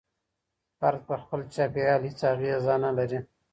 فرد پر خپل چاپېريال هيڅ اغېزه نلري.